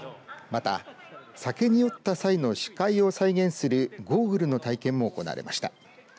また、酒に酔った際の視界を再現するゴーグルの体験も行われました。